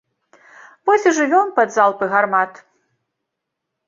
Вось і жывём пад залпы гармат.